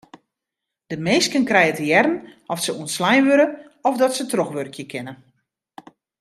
De minsken krije te hearren oft se ûntslein wurde of dat se trochwurkje kinne.